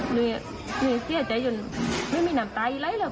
หนูอย่างนั้นเซียใจจนไม่มีน้ำตาอีกไรแล้ว